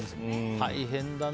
大変だな。